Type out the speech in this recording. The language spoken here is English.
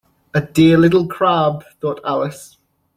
‘A dear little crab!’ thought Alice.